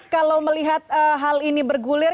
kalau melihat hal ini bergulir